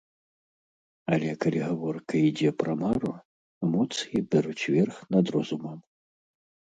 Але калі гаворка ідзе пра мару, эмоцыі бяруць верх над розумам.